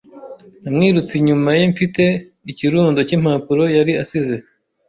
Namwirutse inyuma ye mfite ikirundo cy'impapuro yari asize.